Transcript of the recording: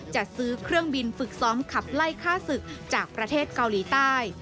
จะซื้อเครื่องบินฝึกซ้อมขับไล่ฆ่าศึกจากประเทศเกาหลีใต้